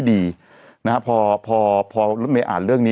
เราก็มีความหวังอะ